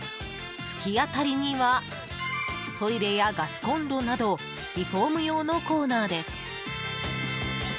突き当たりにはトイレやガスコンロなどリフォーム用のコーナーです。